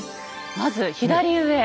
まず左上。